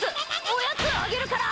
おやつあげるから！